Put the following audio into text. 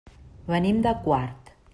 Venim de Quart.